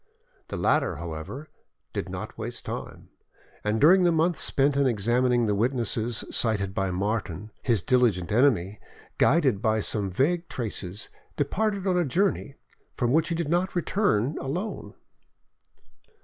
The latter, however, did not waste time, and during the month spent in examining the witnesses cited by Martin, his diligent enemy, guided by some vague traces, departed on a journey, from which he did not return alone.